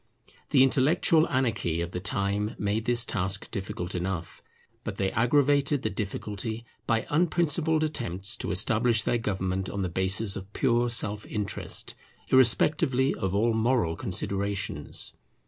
The intellectual anarchy of the time made this task difficult enough; but they aggravated the difficulty by unprincipled attempts to establish their government on the basis of pure self interest, irrespectively of all moral considerations.